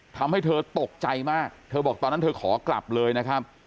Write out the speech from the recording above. ทำให้เธอตกใจมากเธอบอกตอนนั้นเธอขอกลับเลยนะครับ